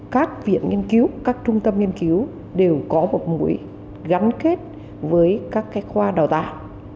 các viện nghiên cứu các trung tâm nghiên cứu đều có một mũi gắn kết với các khoa đào tạo